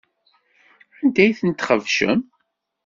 Anda ay tent-txebcem?